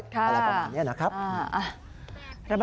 อะไรประมาณนี้นะครับ